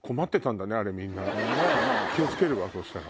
気を付けるわそしたら。